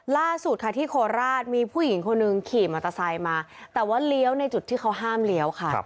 ล่าสุดค่ะที่โคราชมีผู้หญิงคนหนึ่งขี่มอเตอร์ไซค์มาแต่ว่าเลี้ยวในจุดที่เขาห้ามเลี้ยวค่ะ